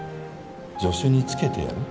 助手につけてやる？